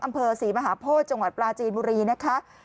อำเภอศรีมหาโพธิจังหวัดปลาจีนบุรีนะคะ